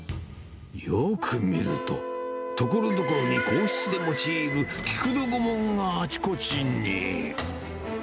よく見ると、ところどころに皇室で用いる菊の御紋があちこちに。